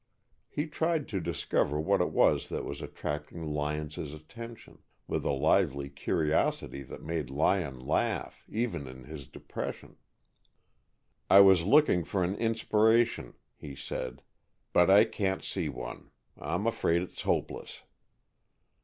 He tried to discover what it was that was attracting Lyon's attention, with a lively curiosity that made Lyon laugh, even in his depression. "I was looking for an inspiration," he said, "but I can't see one. I'm afraid it's hopeless."